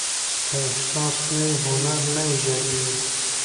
که احساس نه وي، هنر نه ایجاديږي.